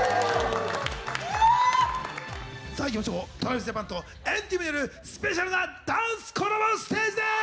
さあいきましょうＴｒａｖｉｓＪａｐａｎと＆ＴＥＡＭによるスペシャルなダンスコラボステージです！